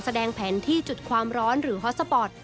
แสดงแผนที่จุดความร้อนหรือฮอตสปอร์ต